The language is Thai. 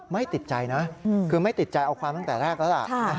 ไม่ติดใจนะคือไม่ติดใจเอาความตั้งแต่แรกแล้วล่ะ